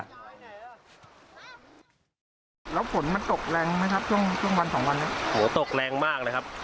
แล้วฝนมันตกแรงไหมครับช่วงช่วงวันสองวันนี้โหตกแรงมากเลยครับ